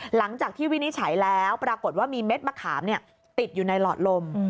หลังจากที่วินิจฉัยแล้วปรากฏว่ามีเม็ดมะขามติดอยู่ในหลอดลม